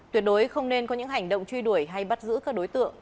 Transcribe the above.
tuyệt đối không nên có những hành động truy đuổi hay bắt giữ các đối tượng